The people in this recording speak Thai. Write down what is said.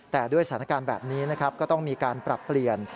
แต่ด้วยสถานการณ์แบบนี้นะครับก็ต้องมีการปรับเปลี่ยน